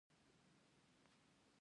د غوزانو ونې څو کاله وروسته میوه نیسي؟